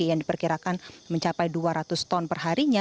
yang diperkirakan mencapai dua ratus ton perharinya